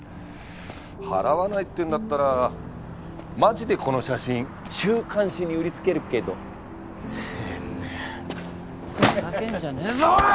払わないっていうんだったらマジでこの写真週刊誌に売りつけるけど？てめぇふざけんじゃねぇぞおい！